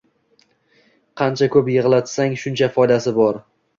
Qancha ko`p yig`lasang, shuncha foydasi bor